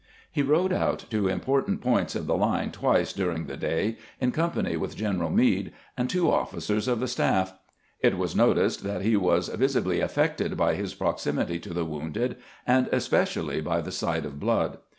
He rode out to important points of the line twice during the day, in company with General Meade and two offi cers of the staff. It was noticed that he was visibly affected by his proximity to the wounded, and especially 64 CAMPAIGNING "WITH GRANT by the sight of blood.